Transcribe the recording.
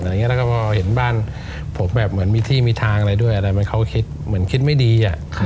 แล้วก็เห็นบ้านผมเหมือนมีที่มีทางอะไรด้วยมันเหมือนเขาคิดไม่ดี